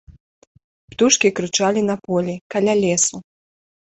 Птушкі крычалі на полі, каля лесу.